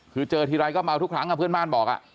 คือเจอทีไรก็เมาทุกครั้งเพื่อนบ้านบอก